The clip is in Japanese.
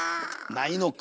ないのか。